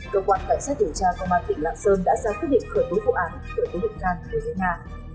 cơ quan cảnh sát điều tra công an tỉnh lạc sơn đã ra quyết định khởi tố vụ án khởi tố hình thang với nga